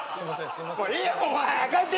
すいません。